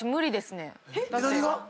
何が？